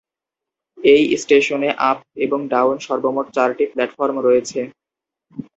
এই স্টেশনে আপ এবং ডাউন সর্বমোট চারটি প্ল্যাটফর্ম রয়েছে।